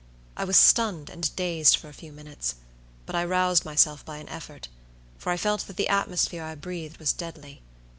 I was stunned and dazed for a few minutes, but I roused myself by an effort, for I felt that the atmosphere I breathed was deadly.